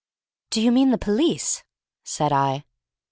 "Do you mean the police?" said I.